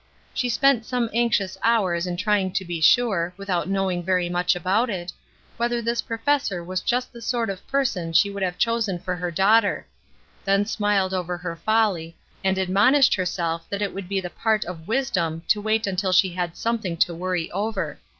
She spent some anxious hours in trying to be sure, without knowing very much about it, whether this professor was just the sort of person she would have chosen for her daughter; then smiled over her folly and admonished herself that it would be the part of wisdom to wait until she had something to worry over.